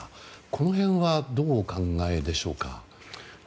この辺はどうお考えでしょうか？